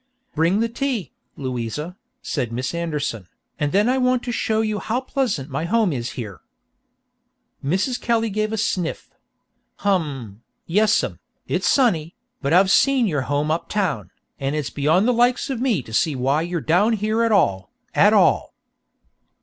"Bring the tea, Louisa," said Miss Anderson, "and then I want to show you how pleasant my home is here." Mrs. Kelly gave a sniff. "Hum, yessum, it's sunny, but I've seen your home up town, and it's beyond the likes of me to see why you're down here at all, at all."